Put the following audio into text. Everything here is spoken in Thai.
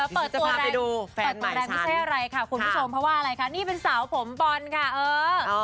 เปิดตัวแรงดูเปิดตัวแรงไม่ใช่อะไรค่ะคุณผู้ชมเพราะว่าอะไรคะนี่เป็นสาวผมบอลค่ะเออ